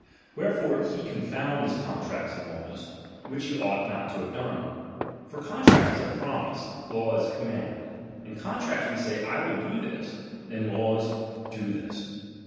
Wherefore he con DOMINION'. founds contracts with laws, which he ought not to ci ha ve done ; for contract is a promise, law a com mand. In contracts we say, / will do this ; in la ws, do this.